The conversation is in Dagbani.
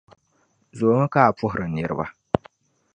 zoomi ka a puhiri niriba.